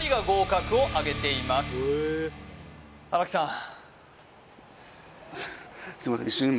荒木さん